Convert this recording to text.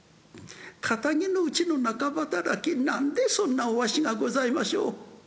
堅気のうちの仲働き何でそんなお足がございましょう。